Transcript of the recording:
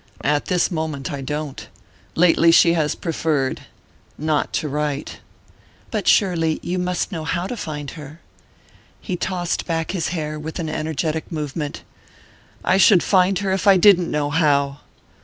"At this moment I don't. Lately she has preferred...not to write...." "But surely you must know how to find her?" He tossed back his hair with an energetic movement. "I should find her if I didn't know how!"